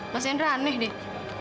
mas hendra aneh deh